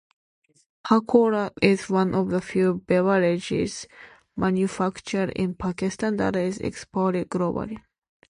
Pakola is one of the few beverages manufactured in Pakistan that is exported globally.